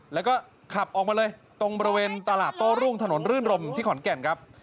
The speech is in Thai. แล้วก็ขับออกมาเลยตรงบริเวณตลาดโต้รุ่งถนนรื่นรมที่ขอนแก่นครับ